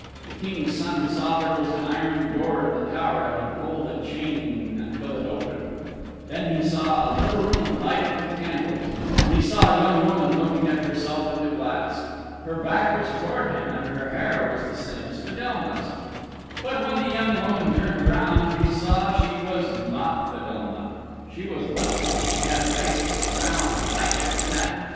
The King's Son saw there was an iron door in the tower and he pulled a chain until it opened. Then he saw a little room lighted with candles, and he saw a young woman looking at herself in the glass. Her back was towards him and her hair was the same as Fedelma's. But when the young woman turned round he saw she was not Fedelma. She was little, and she had a face that was brown and tight like a nut.